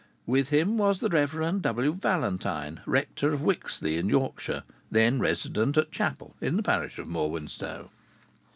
With him was the Rev. W. Valentine, rector of Whixley in Yorkshire, then resident at Chapel in the parish of Morwenstow.